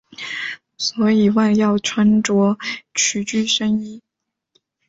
所以外要穿着曲裾深衣。